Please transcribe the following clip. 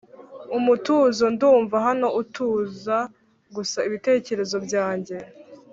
umutuzo ndumva hano utuza gusa ibitekerezo byanjye.